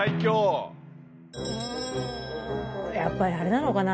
うんやっぱりあれなのかな？